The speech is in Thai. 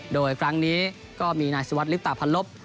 โดยครั้งนี้ก็มีนายสุวัสดลิปตาพันลบ